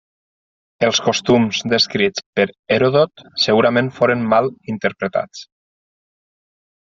Els costums descrits per Heròdot segurament foren mal interpretats.